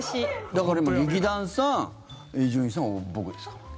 だから今、劇団さん伊集院さん、僕ですから。